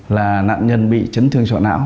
là nạn nhân bị chấn thương sọ não